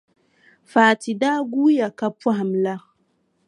Fati daa guuya ka pɔhim la,